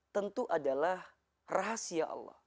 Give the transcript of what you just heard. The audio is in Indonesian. tentu adalah rahasia allah